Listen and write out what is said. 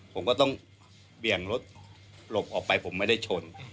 ผมก็ต้องเบี่ยงรถหลบออกไปผมไม่ได้ชน